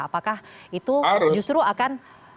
apakah itu justru akan